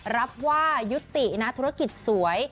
รับว่ายุตินะธุรกิจสวย